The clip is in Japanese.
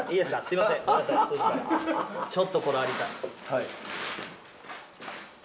ちょっとこだわりたい。